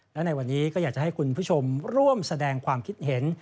และในวันนี้ก็อยากจะให้คุณผู้ชมร่วมแสดงความคิดเห็น